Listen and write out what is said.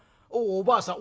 おばあさん